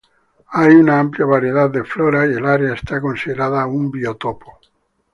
Hay una amplia variedad de flora, y el área está considerada un biotopo.